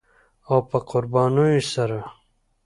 او په قربانیو سره